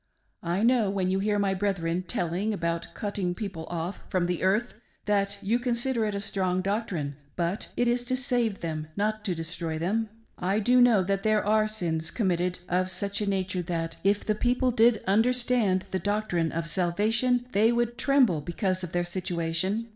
~" I know,: when you hear my brethren telling about cutting people off from the earth, that you consider it is strong doctrine ; but it is to save them, not to destroy them " I do know that there are sins committed of such a nature that, if the people BRIGHAM young's INTERPRETATION OF SCRIPTURE. '3 If did understand the doctrine of salvation, they would tremble because of their situation.